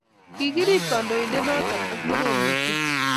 Kikirib kandoindet noto ak torornatet